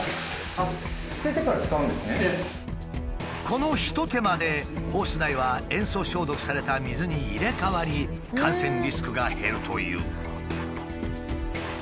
この一手間でホース内は塩素消毒された水に入れ代わり感染リスクが減るという。